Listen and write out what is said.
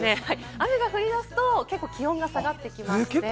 雨が降りますと結構気温が下がります。